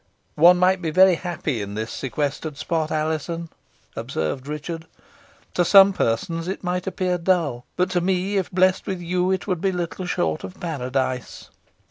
"One might be very happy in this sequestered spot, Alizon," observed Richard. "To some persons it might appear dull, but to me, if blessed with you, it would be little short of Paradise."